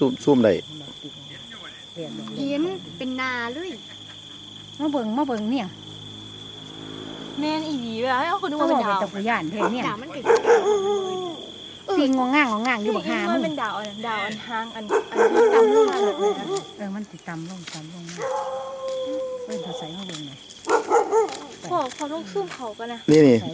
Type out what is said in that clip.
ผมก็ต้องคาญที่สู้โครวเผาไปนะ